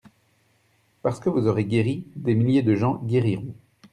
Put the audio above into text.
Parce que vous aurez guéri, des milliers de gens guériront.